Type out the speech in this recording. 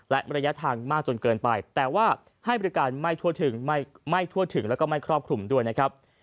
และระยะทางมากจนเกินไปแต่ว่าให้บริการไม่ทั่วถึงไม่ทั่วถึงแล้วก็ไม่ครอบคลุมด้วยนะครับ